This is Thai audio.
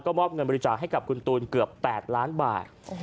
มอบเงินบริจาคให้กับคุณตูนเกือบ๘ล้านบาท